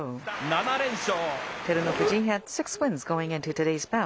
７連勝。